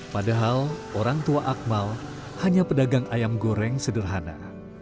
padahal orang tua akmal hanya pedagang ayam goreng sederhana